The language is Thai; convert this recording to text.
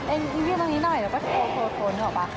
เอ๊ะอิ๊งเข้าที่นั่นซิหน่อยเพลงโฟกรนนึกออกปะ